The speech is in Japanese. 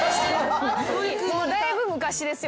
もうだいぶ昔ですよ